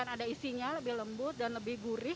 ada isinya lebih lembut dan lebih gurih